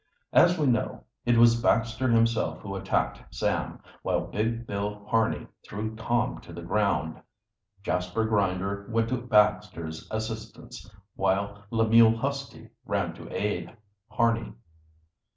As we know, it was Baxter himself who attacked Sam, while big Bill Harney threw Tom to the ground. Jasper Grinder went to Baxter's assistance, while Lemuel Husty ran to aid Harney.